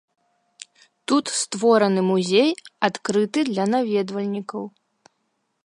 Тут створаны музей, адкрыты для наведвальнікаў.